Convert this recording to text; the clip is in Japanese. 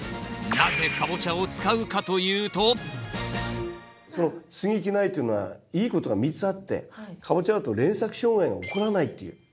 なぜカボチャを使うかというとその接ぎ木苗っていうのはいいことが３つあってカボチャだと連作障害が起こらないっていう。